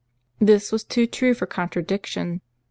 This was too true for contradiction.